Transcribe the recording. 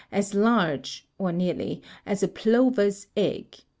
As large, or nearly, as a plover's egg!